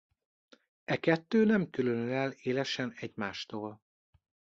E kettő nem különül el élesen egymástól.